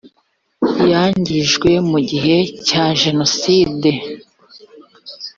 yangijwe mu gihe cya jenoside